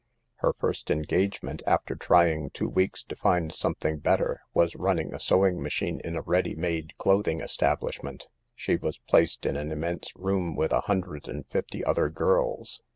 Her first engagement, after trying two weeks to find something better, was running a sewing machine in a ready made clothing establishment. She was placed in an immense room with a hundred and fifty other girls.